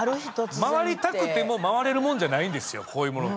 回りたくても回れるもんじゃないんですよこういうものって。